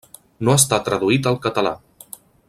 No està traduït al català.